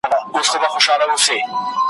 جاله وان ورباندي ږغ کړل ملاجانه ,